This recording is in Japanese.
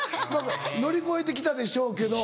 乗り越えて来たでしょうけど。